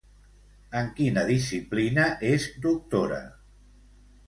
En quina disciplina és doctora?